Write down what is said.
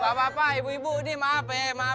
bapak bapak ibu ibu maaf ya